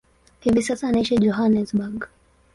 Hivi sasa anaishi Johannesburg.